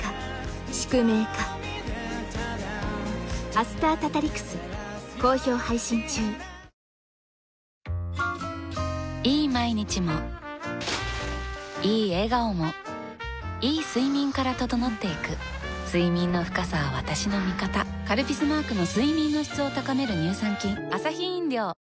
「アサヒスーパードライ」いい毎日もいい笑顔もいい睡眠から整っていく睡眠の深さは私の味方「カルピス」マークの睡眠の質を高める乳酸菌